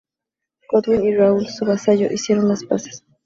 Godwin y Raúl, su vasallo, hicieron las paces.